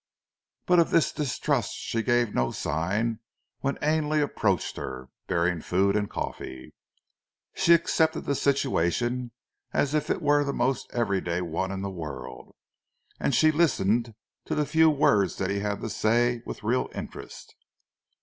But of this distrust she gave no sign when Ainley approached her, bearing food and coffee. She accepted the situation as if it were the most everyday one in the world; and she listened to the few words that he had to say, with real interest.